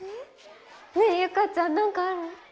ねえ結佳ちゃん何かある？